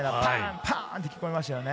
パンって聞こえましたね。